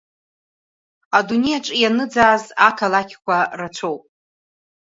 Адунеиаҿ ианыӡааз ақалақьқәа рацәоуп.